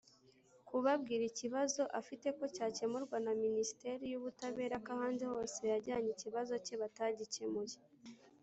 kubabwira ikibazo afite ko cyacyemurwa na minisiteri y’ubutabera ko ahandi hose yajyanye ikibazo cye batagikemuye.